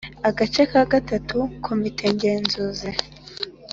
Agace ka gatatu : Komite Ngenzuzi